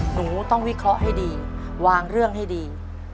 หนูต้องวิเคราะห์ให้ดีวางเรื่องให้ดี